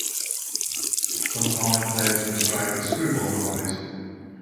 Some comic plays are also described as screwball comedies.